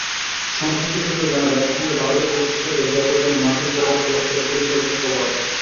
সংশ্লিষ্ট সূত্র জানায়, জাতিসংঘে ভারতের দূত হিসেবে দেবযানী মার্কিন পররাষ্ট্র দপ্তরের পরিচয়পত্রও পাবেন।